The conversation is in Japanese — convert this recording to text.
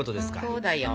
そうだよ。